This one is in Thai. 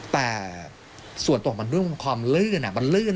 แต่ส่วนตัวมันมีความลื่น